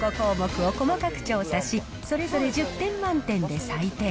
この５項目を細かく調査し、それぞれ１０点満点で採点。